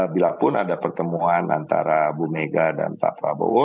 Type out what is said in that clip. bila pun ada pertemuan antara ibu megawati soekarno putri dan pak prabowo